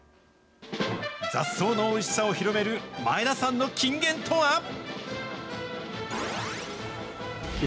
雑草のおいしさを広める、前田さんの金言とは。